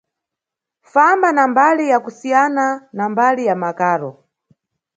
Famba na mbali ya kusiyana na mbali ya makaro.